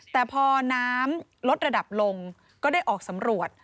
แต่พอน้ำลดระดับลงก็ได้ออกสำรวจ